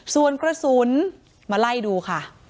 ส่วนกระสุนมาไล่ดูค่ะ